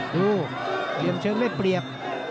โหเหลี่ยมเฉินไม่เปลี่ยบ